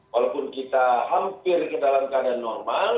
walaupun kita hampir ke dalam keadaan normal